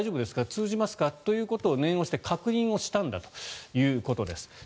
通じますか？ということを念押しで確認をしたんだということです。